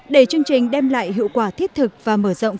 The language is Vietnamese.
để chương trình đem lại hiệu quả thiết thực và mở rộng